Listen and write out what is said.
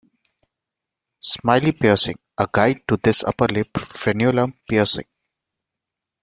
Smiley Piercing - A guide to this upper lip frenulum piercing.